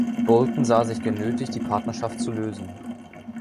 Boulton sah sich genötigt, die Partnerschaft zu lösen.